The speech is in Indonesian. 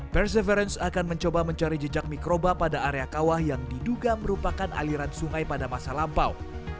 perseverance akan mencoba mencari jejak mikroba pada area kawah yang diduga merupakan aliran sungai pada masa lampau